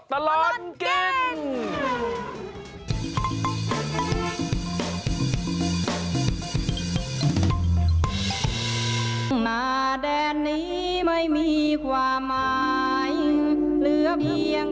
ตลอดเก่ง